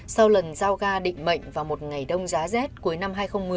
sau lần giao gà định mệnh vào một ngày đông giá rết cuối năm hai nghìn một mươi